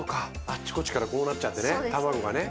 あっちこちからこうなっちゃってね。